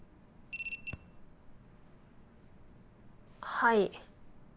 はい。